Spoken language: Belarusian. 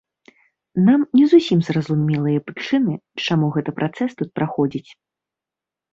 Нам не зусім зразумелыя прычыны, чаму гэты працэс тут праходзіць.